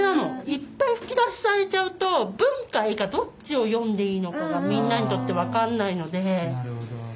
いっぱい吹き出しされちゃうと文か絵かどっちを読んでいいのかみんなにとって分かんないので。